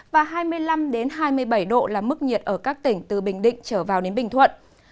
và hai mươi năm hai mươi bảy độ là mức nhiệt ở các tỉnh từ bình định trở vào đến bình thuận